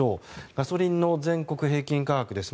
ガソリンの全国平均価格です。